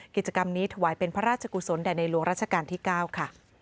กิจกรรมนี้ถวายเป็นพระราชกุศลแด่ในหลวงราชการที่๙ค่ะ